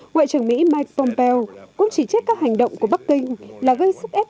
ngoại trưởng mỹ mike pompeo cũng chỉ trích các hành động của bắc kinh là gây sức ép